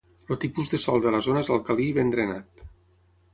El tipus de sòl de la zona és alcalí i ben drenat.